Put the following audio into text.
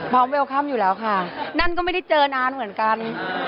เวลค่ำอยู่แล้วค่ะนั่นก็ไม่ได้เจอนานเหมือนกัน